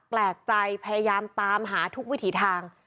แปลกใจพยายามตามหาทุกวิถีทาง